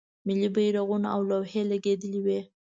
ملی بیرغونه او لوحې لګیدلې وې.